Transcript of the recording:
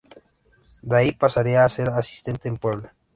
De ahí pasaría a ser asistente en Puebla.